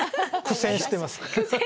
苦戦してます。